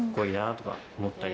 とか思ったり。